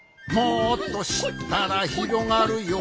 「もっとしったらひろがるよ」